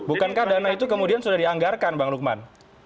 bukankah dana itu kemudian sudah dianggarkan bang lukman